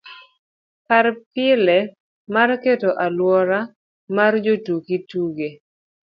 par pile mar keto aluora mar jotuki tuge